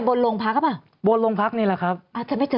บนโรงพักหรือเปล่าบนโรงพักนี่แหละครับอาจจะไม่เจอ